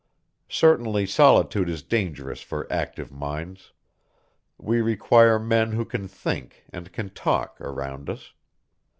Certainly solitude is dangerous for active minds. We require men who can think and can talk, around us.